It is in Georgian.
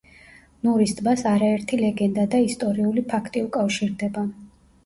ნურის ტბას არაერთი ლეგენდა და ისტორიული ფაქტი უკავშირდება.